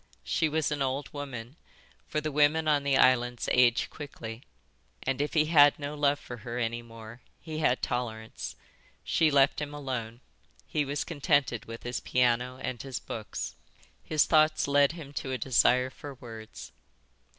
She was an old woman, for the women on the islands age quickly, and if he had no love for her any more he had tolerance. She left him alone. He was contented with his piano and his books. His thoughts led him to a desire for words.